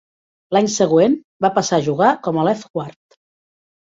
L'any següent va passar a jugar com a "left guard".